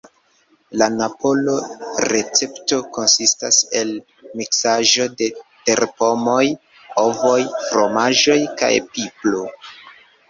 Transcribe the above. La napola recepto konsistas el miksaĵo de terpomoj, ovoj, fromaĝo kaj pipro.